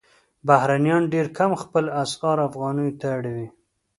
بهرنیان ډېر کم خپل اسعار افغانیو ته اړوي.